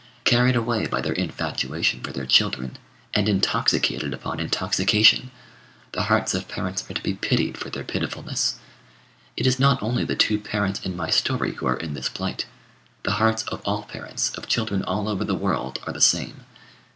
Carried away by their infatuation for their children, and intoxicated upon intoxication, the hearts of parents are to be pitied for their pitifulness. It is not only the two parents in my story who are in this plight; the hearts of all parents of children all over the world are the same.